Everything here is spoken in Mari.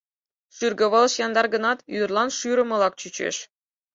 Шӱргывылыш яндар гынат, ӱдырлан шӱрымылак чучеш.